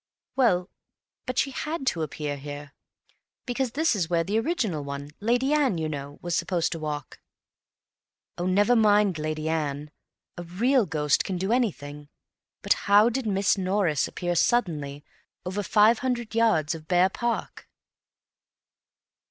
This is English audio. "Well, but she had to appear here, because this is where the original one—Lady Anne, you know—was supposed to walk." "Oh, never mind Lady Anne! A real ghost can do anything. But how did Miss Norris appear suddenly—over five hundred yards of bare park?"